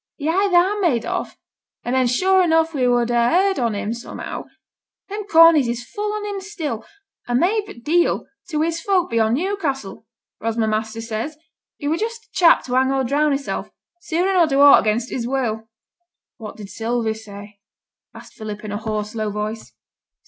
He either ha' made off an' then sure enough we should ha' heerd on him somehow them Corneys is full on him still and they've a deal to wi' his folk beyond Newcassel or, as my master says, he were just t' chap to hang or drown hissel, sooner nor do aught against his will.' 'What did Sylvie say?' asked Philip, in a hoarse low voice.